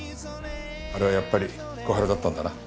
あれはやっぱり小春だったんだな？